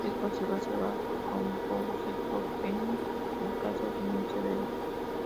Es posible observar trombocitopenia en casos muy severos.